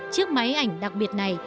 chiếc máy ảnh đặc biệt này